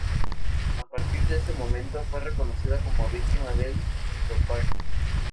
A partir de ese momento fue reconocida como víctima del dopaje.